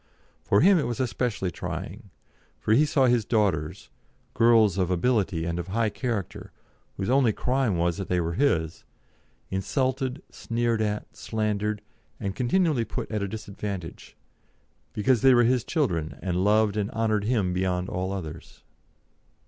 For him it was especially trying, for he saw his daughters girls of ability and of high character, whose only crime was that they were his insulted, sneered at, slandered, continually put at a disadvantage, because they were his children and loved and honoured him beyond all others.